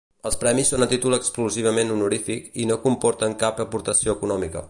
Els premis són a títol exclusivament honorífic i no comporten cap aportació econòmica.